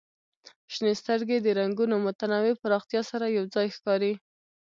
شنې سترګې د رنګونو متنوع پراختیا سره یو ځای ښکاري.